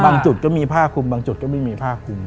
จุดก็มีผ้าคุมบางจุดก็ไม่มีผ้าคุม